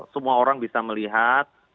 semua orang bisa melihat